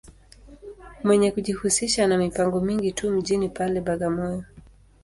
Mwenye kujihusisha ma mipango mingi tu mjini pale, Bagamoyo.